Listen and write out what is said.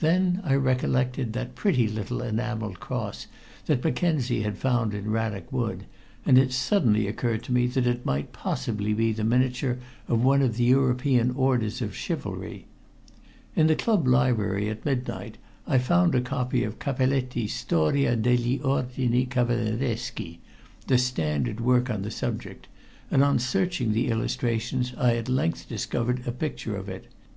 Then I recollected that pretty little enameled cross that Mackenzie had found in Rannoch Wood, and it suddenly occurred to me that it might possibly be the miniature of one of the European orders of chivalry. In the club library at midnight I found a copy of Cappelletti's Storia degli Ordini Cavallereschi, the standard work on the subject, and on searching the illustrations I at length discovered a picture of it.